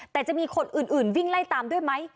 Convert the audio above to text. แต่จะมีคนอื่นวิ่งไล่ตามด้วยไหม